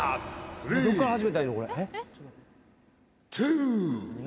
どっから始めたらいいのこれ？